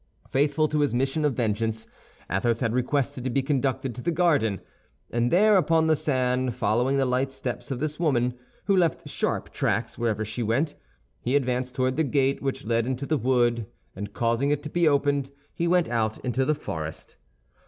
Faithful to his mission of vengeance, Athos had requested to be conducted to the garden; and there upon the sand following the light steps of this woman, who left sharp tracks wherever she went, he advanced toward the gate which led into the wood, and causing it to be opened, he went out into the forest.